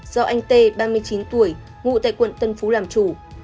do anh t ba mươi chín tuổi ngụ tại quận tân phú làm chủ